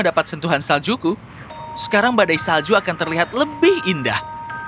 dapat sentuhan saljuku sekarang badai salju akan terlihat lebih indah